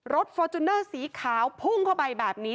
ฟอร์จูเนอร์สีขาวพุ่งเข้าไปแบบนี้